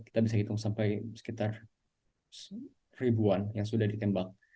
kita bisa hitung sampai sekitar ribuan yang sudah ditembak